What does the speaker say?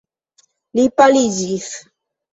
Li paliĝis.